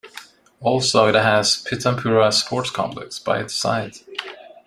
Also it has Pitampura Sports Complex by its side.